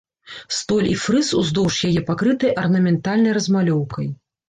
Столь і фрыз уздоўж яе пакрыты арнаментальнай размалёўкай.